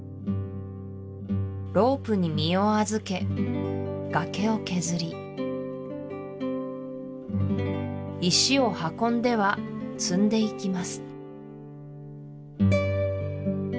ロープに身を預け崖を削り石を運んでは積んでいきます